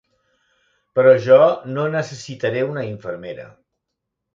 Però jo no necessitaré una infermera.